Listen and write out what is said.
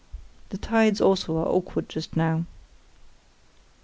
The tides also are awkward just now.